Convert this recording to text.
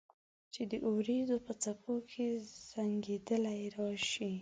چې د اوریځو په څپو کې زنګیدلې راشي